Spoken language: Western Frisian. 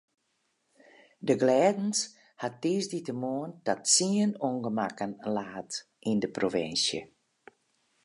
De glêdens hat tiissdeitemoarn ta tsien ûngemakken laat yn de provinsje.